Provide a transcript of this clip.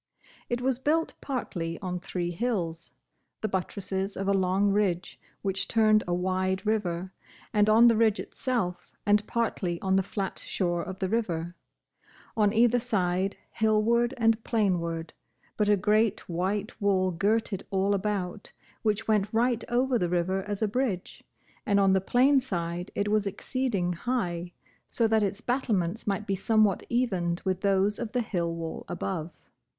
It was built partly on three hills, the buttresses of a long ridge which turned a wide river, and on the ridge itself, and partly on the flat shore of the river, on either side, hillward and plainward: but a great white wall girt it all about, which went right over the river as a bridge, and on the plain side it was exceeding high, so that its battlements might be somewhat evened with those of the hill wall above.